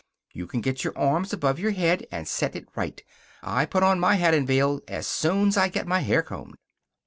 You can get your arms above your head, and set it right. I put on my hat and veil as soon's I get my hair combed."